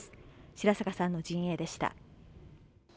白坂さんの陣営でした。